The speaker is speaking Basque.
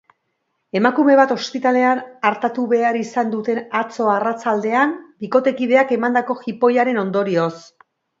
Emakume bat ospitalean artatu behar izan zuten atzo arratsaldean bikotekideak emandako jipoiaren ondorioz.